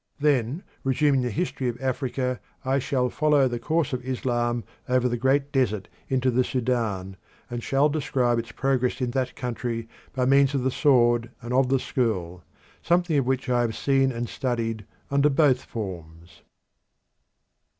Then, resuming the history of Africa, I shall follow the course of Islam over the Great Desert into the Sudan, and shall describe its progress in that country by means of the sword and of the school, something of which I have seen and studied under both forms.